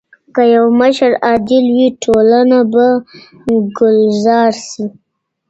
که يو مشر عادل وي ټولنه به ګلزار سي.